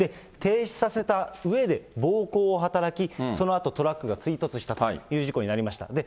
停止させたうえで暴行を働き、そのあとトラックが追突したという事故になりました。